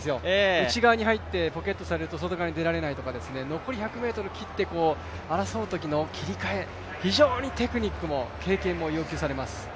内側に入ってポケットされると外側に出られないとか、残り１００ｍ切って争うときの切り替え非常にテクニックも経験も要求されます。